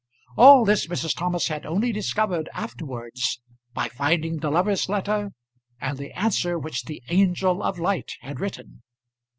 All this Mrs. Thomas had only discovered afterwards by finding the lover's letter, and the answer which the angel of light had written.